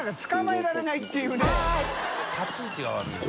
立ち位置が悪いんだよ。